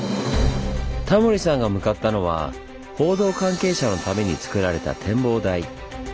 タモリさんが向かったのは報道関係者のためにつくられた展望台。